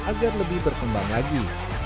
agar lebih berkembang lagi